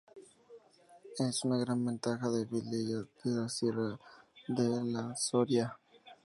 Es una granja de Velilla de la Sierra, de la de Soria.